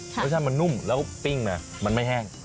รสชาติมันนุ่มแล้วปิ้งมามันไม่แห้ง